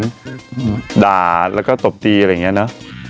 ด่าแล้วก็ตบตีอะไรอย่างเงี้เนอะ